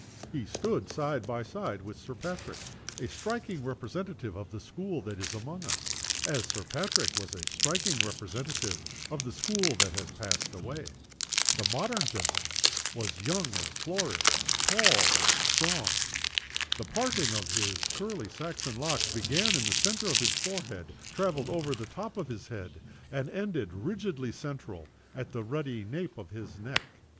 He stood side by side with Sir Patrick a striking representative of the school that is among us as Sir Patrick was a striking representative of the school that has passed away. The modern gentleman was young and florid, tall and strong. The parting of his curly Saxon locks began in the center of his forehead, traveled over the top of his head, and ended, rigidly central, at the ruddy nape of his neck.